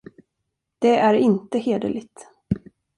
Det är inte hederligt.